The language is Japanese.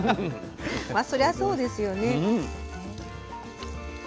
まあそりゃそうですよね。